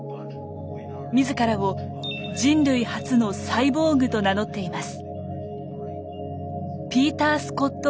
自らを人類初のサイボーグと名乗っています。